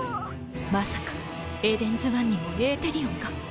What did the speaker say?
まさかエデンズワンにもエーテリオンが